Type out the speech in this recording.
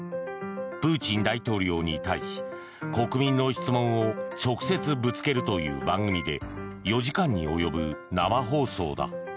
プーチン大統領に対し国民の質問を直接ぶつけるという番組で４時間に及ぶ生放送だ。